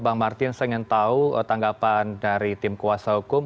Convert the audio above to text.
bang martin saya ingin tahu tanggapan dari tim kuasa hukum